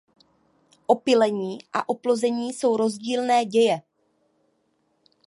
Opylení a oplození jsou rozdílné děje.